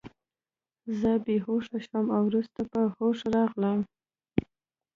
زه بې هوښه شوم او وروسته په هوښ راغلم